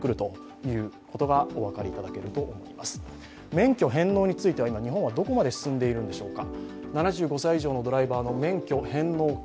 免許返納については今日本はどこまで進んでいるんでしょうか。